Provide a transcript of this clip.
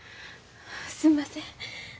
すんません。